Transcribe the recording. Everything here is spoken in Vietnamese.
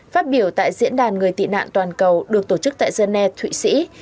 phát biểu tại diễn đàn người tị nạn toàn cầu được tổ chức tại geneva thụy sĩ